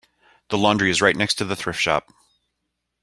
The laundry is right next to the thrift shop.